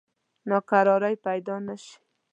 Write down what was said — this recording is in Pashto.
ناکراری پیدا نه شي.